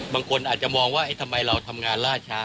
บางคนอาจจะมองว่าทำไมเราทำงานล่าช้า